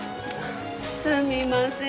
すみません